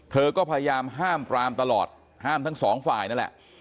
เธอก็พยายามห้ามปรามตลอดห้ามทั้งสองฝ่ายนั่นแหละ